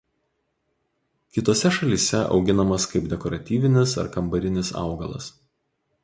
Kitose šalyse auginamas kaip dekoratyvinis ar kambarinis augalas.